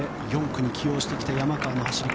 ４区に起用してきた山川の走り